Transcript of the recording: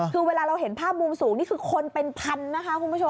คือเวลาเราเห็นภาพมุมสูงนี่คือคนเป็นพันนะคะคุณผู้ชม